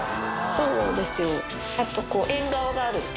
そうなんですよ。